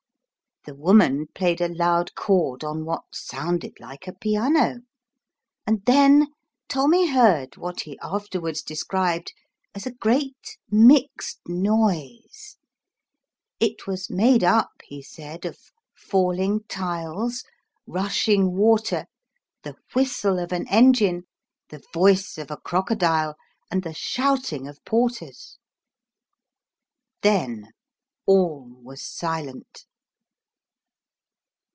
The woman played a loud chord on what sounded like a piano, and then Tommy heard what he afterwards described as a "great mixed noise:" it was made up, he said, of falling tiles, rushing water, the whistle of an engine, the voice of a crocodile, and the shouting of porters. Then all was silent.